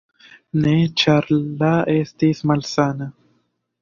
Ne, ĉar la estis malsana.